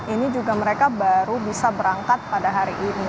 ini juga mereka baru bisa berangkat pada hari ini